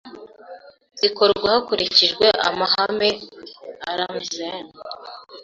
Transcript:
zikorwa hakurikijwe amahame Alhazen